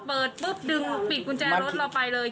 เปิดปุ๊บดึงปิดกุญแจรถเราไปเลย